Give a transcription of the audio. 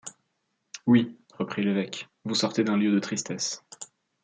Oui, reprit l’évêque, vous sortez d’un lieu de tristesse.